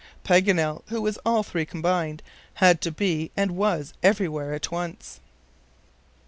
Paganel, who was all three combined, had to be and was everywhere at once.